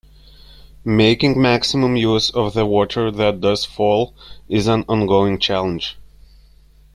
Making maximum use of the water that does fall is an ongoing challenge.